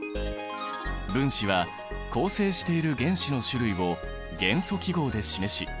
分子は構成している原子の種類を元素記号で示し